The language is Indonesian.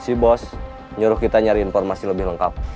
si bos nyuruh kita nyari informasi lebih lengkap